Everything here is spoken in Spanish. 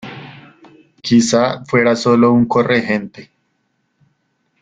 Quizá fuera sólo un corregente.